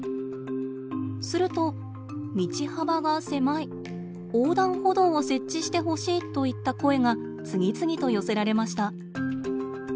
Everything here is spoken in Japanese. すると「道幅が狭い」「横断歩道を設置してほしい」といった声が次々と寄せられました。